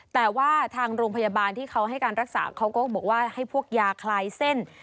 แต่ว่าทางโรงพยาบาลที่เขาให้การรักษาเขาก็บอกว่าให้พวกยาคลายเส้น